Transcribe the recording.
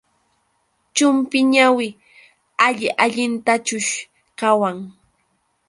Chumpi ñawi alli allintachus qawan.